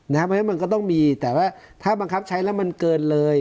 เพราะฉะนั้นมันก็ต้องมีแต่ว่าถ้าบังคับใช้แล้วมันเกินเลย